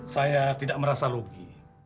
saya tidak merasa rugi